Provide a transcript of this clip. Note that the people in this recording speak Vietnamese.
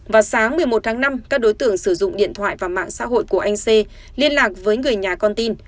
vào sáng một mươi một tháng năm các đối tượng sử dụng điện thoại và mạng xã hội của anh xê liên lạc với người nhà con tin